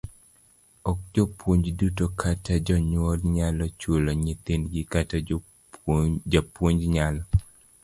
Ok jopuonj duto kata jonyuol nyalo chulo nyithindgi kata japuonj nyalo